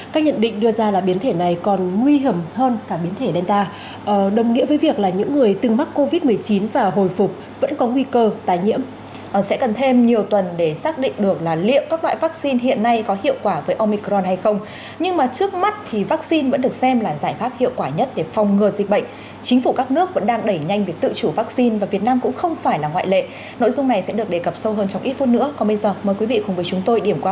các nhận định đưa ra là biến thể này còn nguy hiểm hơn cả biến thể delta đồng nghĩa với việc là những người từng mắc covid một mươi chín và hồi phục vẫn có nguy cơ tái nhiễm